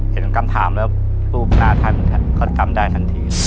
เห็นการถามแล้วรูปหนาทันเขาทำได้ทันที